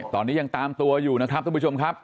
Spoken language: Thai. ตอนนี้ยังตามตัวอยู่นะครับท่านผู้ชมครับ